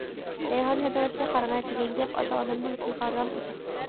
«رەيھان ھەدىڭىزگە قاراڭە. » دېگەن گەپ ئاتا-ئانامنىڭ تىلىغا رام ئىدى.